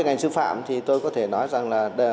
ngành sư phạm thì tôi có thể nói rằng